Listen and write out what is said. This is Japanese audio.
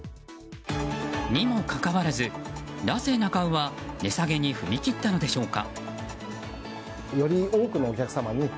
にもかかわらずなぜ、なか卯は値下げに踏み切ったのでしょうか？